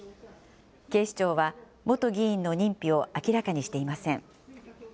警視庁は元議員の認否を明らかにしていません。